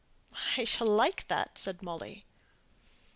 "I shall like that," said Molly.